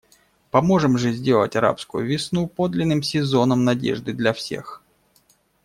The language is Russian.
Поможем же сделать «арабскую весну» подлинным сезоном надежды для всех.